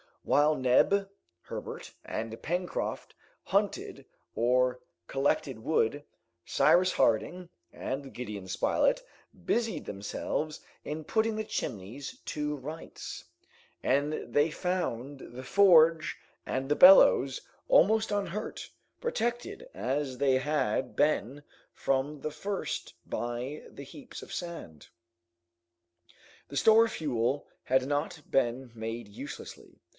While Neb, Herbert, and Pencroft hunted or collected wood, Cyrus Harding and Gideon Spilett busied themselves in putting the Chimneys to rights, and they found the forge and the bellows almost unhurt, protected as they had been from the first by the heaps of sand. The store of fuel had not been made uselessly.